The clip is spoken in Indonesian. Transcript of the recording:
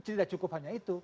tidak cukup hanya itu